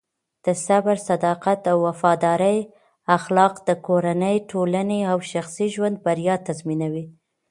د صبر، صداقت او وفادارۍ اخلاق د کورنۍ، ټولنې او شخصي ژوند بریا تضمینوي.